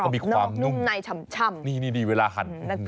มีความนุ่มในชำ